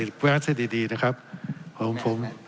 สับขาหลอกกันไปสับขาหลอกกันไป